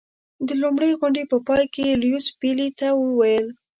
د لومړۍ غونډې په پای کې یې لیویس پیلي ته وویل.